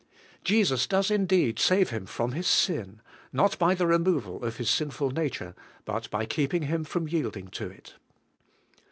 Jesus does indeed save him from his sin, — not by the removal of his sinful nature, but by keeping him from yielding to it.